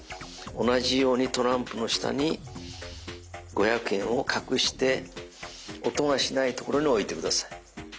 同じようにトランプの下に五百円を隠して音がしないところに置いて下さい。